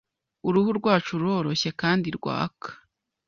Uruhu rwacu rworoshye kandi rwaka